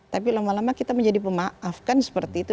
tapi lama lama kita menjadi pemaaf kan seperti itu